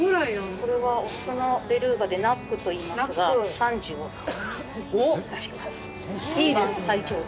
これは雄のベルーガでナックといいますが３８歳になります。